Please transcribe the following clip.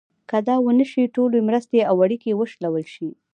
که دا ونه شي ټولې مرستې او اړیکې وشلول شي.